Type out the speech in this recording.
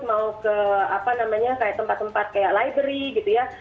mau ke apa namanya kayak tempat tempat kayak library gitu ya